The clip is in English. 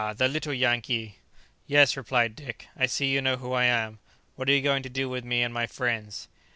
the little Yankee!" "Yes," replied Dick; "I see you know who I am. What are you going to do with me and my friends?"